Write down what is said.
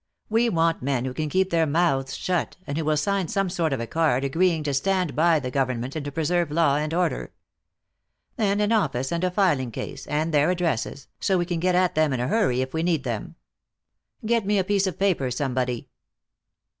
We want men who can keep their mouths shut, and who will sign some sort of a card agreeing to stand by the government and to preserve law and order. Then an office and a filing case, and their addresses, so we can get at them in a hurry if we need them. Get me a piece of paper, somebody."